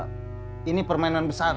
jangan bertindak sendiri